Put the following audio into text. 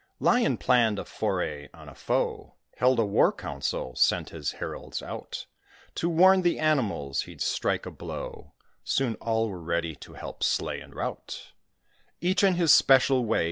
Lion planned a foray on a foe; Held a war council; sent his heralds out To warn the Animals he'd strike a blow; Soon all were ready to help slay and rout Each in his special way.